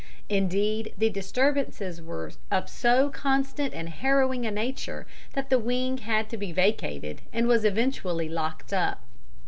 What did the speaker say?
Indeed, the disturbances were of so constant and harrowing a nature, that the wing had to be vacated and was eventually locked up.